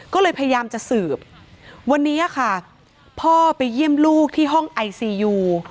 ก็เลยพยายามจะสืบวันนี้ค่ะพ่อไปเยี่ยมลูกที่ห้องไอซียู